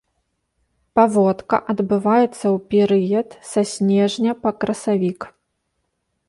Паводка адбываецца ў перыяд са снежня па красавік.